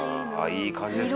「いい感じですね」